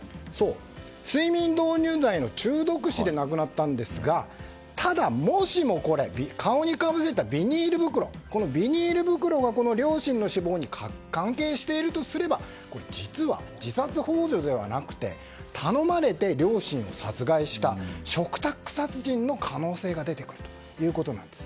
睡眠導入剤の中毒死で亡くなったんですがただ、もしも顔にかぶせたビニール袋が両親の死亡に関係しているとすれば実は自殺幇助ではなくて頼まれて両親を殺害した嘱託殺人の可能性が出てくるということなんです。